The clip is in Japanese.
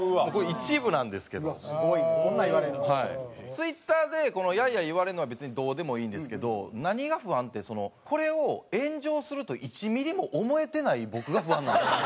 Ｔｗｉｔｔｅｒでやいやい言われるのは別にどうでもいいんですけど何が不安ってそのこれを炎上すると１ミリも思えてない僕が不安なんですよ。